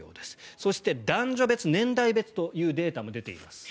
そして男女別、年代別のデータも出ています。